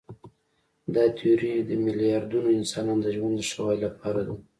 دا تیوري د میلیاردونو انسانانو د ژوند د ښه والي لپاره ده.